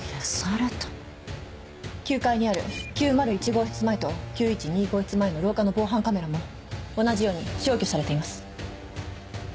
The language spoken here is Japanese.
９階にある９０１号室前と９１２号室前の廊下の防犯カメラも同じように消去されています。